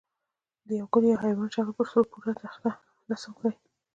د یوه ګل یا حیوان شکل پر څو پوړه تختې رسم کړئ.